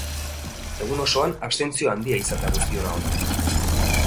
Egun osoan, abstentzio handia izan da guztion ahotan.